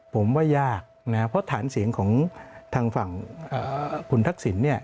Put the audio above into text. ผมว่ายากนะเพราะฐานเสียงของทางฝั่งคุณทักษิณเนี่ย